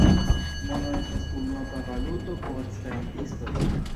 Mono estas unuopa valuto por esperantistoj.